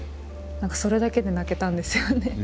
何かそれだけで泣けたんですよね。